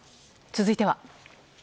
続いては。